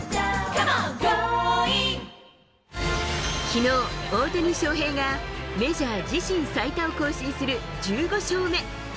きのう、大谷翔平がメジャー自身最多を更新する１５勝目。